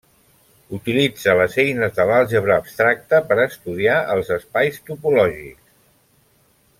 Utilitza les eines de l'àlgebra abstracta per estudiar els espais topològics.